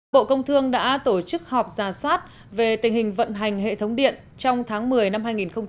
bộ công thương đã tổ chức họp giả soát về tình hình vận hành hệ thống điện trong tháng một mươi năm hai nghìn một mươi bảy